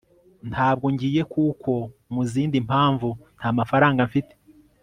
ntabwo ngiye, kuko, mu zindi mpamvu, nta mafaranga mfite